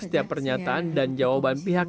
setiap pernyataan dan jawaban pihak